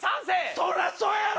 そらそやろ！